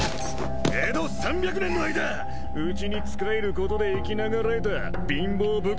江戸三百年の間うちに仕えることで生き永らえた貧乏武家の娘の分際で！